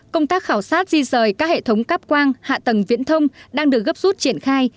công tác khảo sát di rời các hệ thống cắp quang hạ tầng viễn thông đang được gấp rút triển khai